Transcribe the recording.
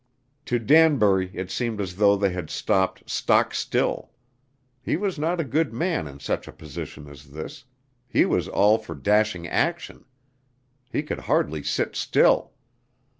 To Danbury it seemed as though they had stopped stock still. He was not a good man in such a position as this; he was all for dashing action. He could hardly sit still.